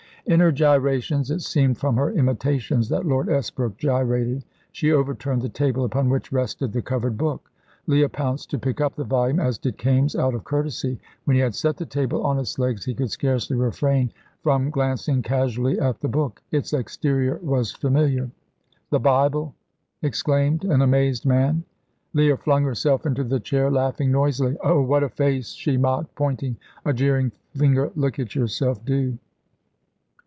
In her gyrations it seemed from her imitations that Lord Esbrook gyrated she overturned the table upon which rested the covered book. Leah pounced to pick up the volume, as did Kaimes, out of courtesy. When he had set the table on its legs he could scarcely refrain from glancing casually at the book. It's exterior was familiar. "The Bible!" exclaimed an amazed man. Leah flung herself into the chair, laughing noisily. "Oh, what a face!" she mocked, pointing a jeering finger. "Look at yourself, do."